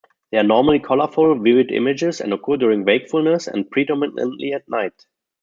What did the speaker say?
They are normally colorful, vivid images and occur during wakefulness, and predominately at night.